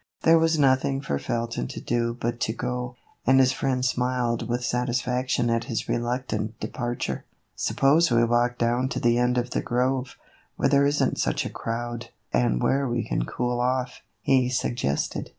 There was nothing for Felton to do but to go, and his friend smiled with satisfaction at his re luctant departure. " Suppose we walk down to the end of the grove, where there is n't such a crowd, and where we can cool off," he suggested.